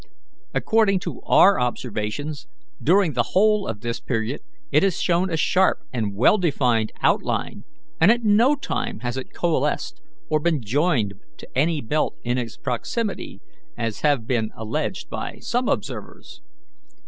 According to our observations, during the whole of this period it has shown a sharp and well defined outline, and at no time has it coalesced or been joined to any belt in its proximity, as has been alleged by some observers.